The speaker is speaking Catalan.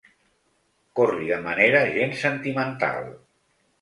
Corri de manera gens sentimental.